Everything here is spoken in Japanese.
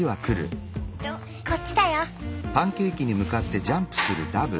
こっちだよ。